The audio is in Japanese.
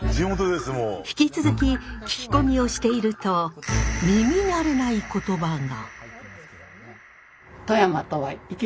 引き続き聞き込みをしていると耳慣れない言葉が。